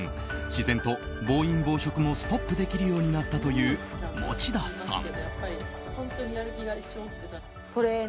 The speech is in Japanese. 自然と、暴飲暴食もストップできるようになったという持田さん。